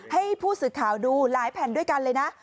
ให้ผู้สื่อข่าวดูหลายแผ่นด้วยกันเลยนะ